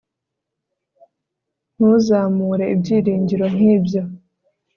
ntuzamure ibyiringiro nkibyo